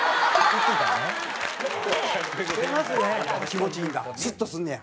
気持ちいいんだ。